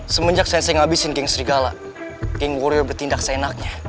semenjak sensei ngabisin geng serigala geng warrior bertindak seenaknya